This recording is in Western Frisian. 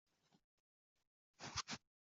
De moarnssesje begjint om healwei alven.